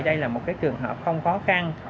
đây là một cái trường hợp không khó khăn